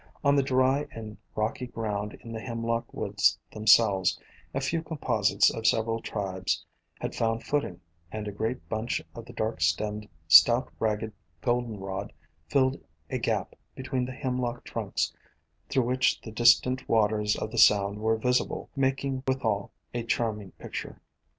On the dry and rocky ground in the Hemlock woods themselves, a few Composites of several tribes had found footing, and a great bunch of the dark stemmed Stout Ragged Goldenrod filled a gap between the Hemlock trunks through which the distant waters of the Sound were visi ble, making withal a charming picture.